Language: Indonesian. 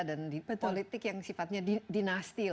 dan di politik yang sifatnya dinasti